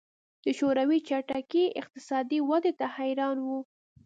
د شوروي چټکې اقتصادي ودې ته حیران وو